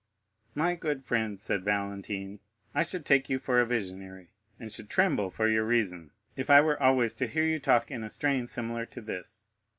"My good friend," said Valentine, "I should take you for a visionary, and should tremble for your reason, if I were always to hear you talk in a strain similar to this.